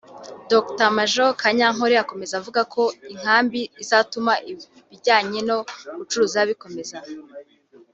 Dr Maj Kanyankore akomeza avuga ko inkambi izatuma ibijyanye no gucuruza bikomeza